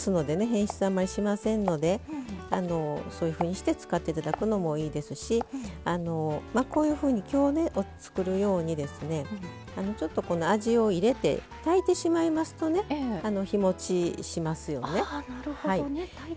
変質もあんまりしませんのでそういうふうにして使っていただくのもいいですしこういうふうにきょう、作るように味を入れて炊いてしまいますと日もちしますよね。